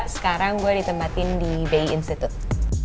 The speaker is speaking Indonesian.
sekarang gue ditempatin di bay institute